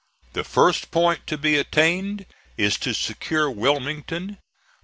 The first point to be attained is to secure Wilmington.